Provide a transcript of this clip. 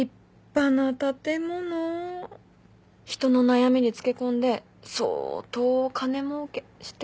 人の悩みにつけ込んで相当金もうけしてんのね。